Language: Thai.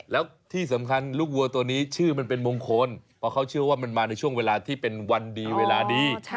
แล้วที่สำคัญลูกวัวตัวนี้ชื่อมันเป็นมงคลเพราะเขาเชื่อว่ามันมาในช่วงเวลาที่เป็นวันดีเวลาดี